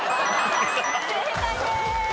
正解です。